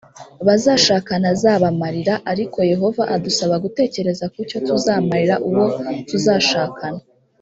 bazashakana azabamarira ariko yehova adusaba gutekereza ku cyo tuzamarira uwo tuzashakana